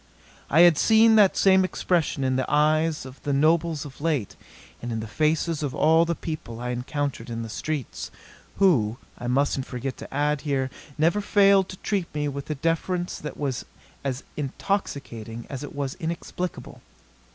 I had seen that same expression in the eyes of the nobles of late, and in the faces of all the people I encountered in the streets who, I mustn't forget to add here, never failed to treat me with a deference that was as intoxicating as it was inexplicable.